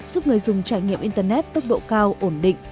giúp người dùng trải nghiệm internet tốc độ cao ổn định